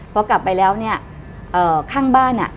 พอกลับไปแล้วข้างบ้าน